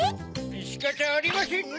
しかたありませんな。